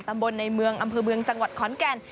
ตำบลในเมืองอำเภอเมืองจังหวัดขอนแก่น